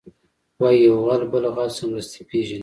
وایي یو غل بل غل سمدستي پېژني